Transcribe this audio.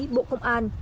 bộ công an